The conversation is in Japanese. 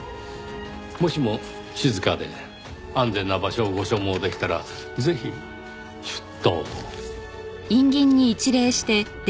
もしも静かで安全な場所をご所望でしたらぜひ出頭を。